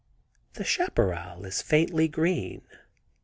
The chapparal is faintly green.